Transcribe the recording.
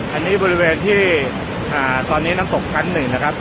อันนี้บริเวณที่ตอนนี้น้ำตกชั้นหนึ่งนะครับ